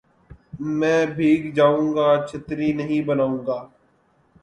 میں بھیگ جاؤں گا چھتری نہیں بناؤں گا